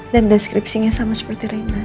dan deskripsinya sama seperti rina